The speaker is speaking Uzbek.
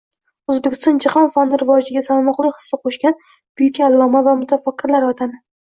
Oʻzbekiston jahon fani rivojiga salmoqli hissa qoʻshgan buyuk alloma va mutafakkirlar vatani